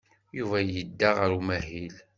Yuba yedda ɣer umahil.